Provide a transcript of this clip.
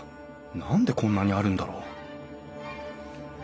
何でこんなにあるんだろう？